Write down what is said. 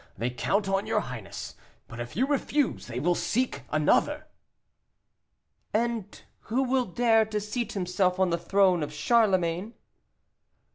They count on your highness, but if you refuse, they will seek another." "And who will dare to seat himself on the throne of Charlemagne?"